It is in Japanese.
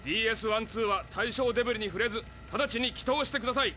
ＤＳ−１２は対象デブリにふれずただちに帰投してください。